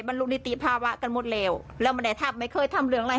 มันรุนิติภาวะกันหมดแล้วแล้วมันแต่ถ้าไม่เคยทำเรื่องอะไร